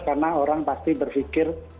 karena orang pasti berpikir